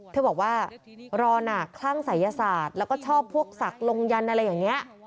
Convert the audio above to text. เธอบอกว่ารอหนักคลั่งศัยศาสตร์แล้วก็ชอบพวกศักดิ์ลงยันต์อะไรอย่างนี้